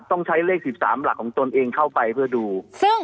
ต้องใช้เลข๑๓หลักของตนเองเข้าไปเพื่อดู